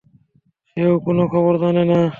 সেও কোনো খবর জানে না।